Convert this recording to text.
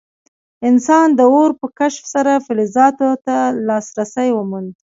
انسان د اور په کشف سره فلزاتو ته لاسرسی وموند.